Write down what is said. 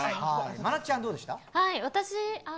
真夏ちゃん、どうでした。